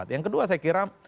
yang kedua saya kira